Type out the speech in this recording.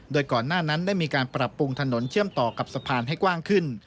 โดยก่อนหน้านั้นได้มีการปรับปรุงถนนเชื่อมต่อกับสะพานให้กว้างขึ้น